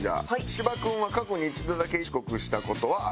芝君は過去に一度だけ遅刻した事はある。